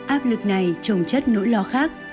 áp lực này trồng chất nỗi lo khác